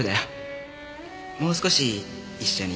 もう少し一緒にいよう。